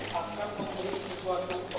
kepada siapapun juga